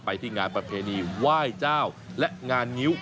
ที่งานประเพณีไหว้เจ้าและงานงิ้ว